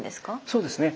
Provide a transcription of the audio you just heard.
そうですね。